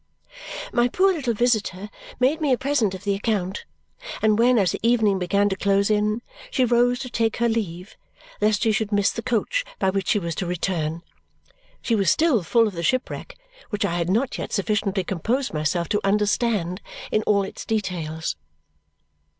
My poor little visitor made me a present of the account, and when as the evening began to close in she rose to take her leave, lest she should miss the coach by which she was to return, she was still full of the shipwreck, which I had not yet sufficiently composed myself to understand in all its details.